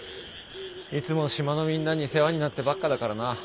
いつも島のみんなに世話になってばっかだからな。